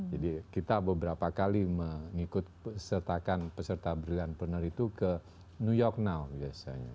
jadi kita beberapa kali mengikut sertakan peserta brilliantpreneur itu ke new york now biasanya